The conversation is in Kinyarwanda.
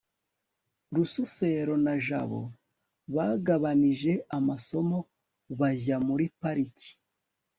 rusufero na jabo bagabanije amasomo bajya muri pariki